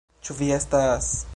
Ĉu vi estas...